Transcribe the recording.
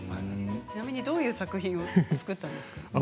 ちなみにどういう作品を作ったんですか。